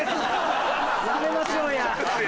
やめましょうや！